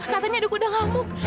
katanya ada kuda ngamuk